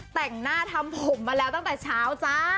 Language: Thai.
แต่งหน้าทำผมมาแล้วตั้งแต่เช้าจ้า